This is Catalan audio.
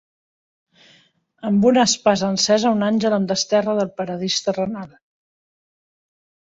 Amb una espasa encesa un àngel em desterra del paradís terrenal.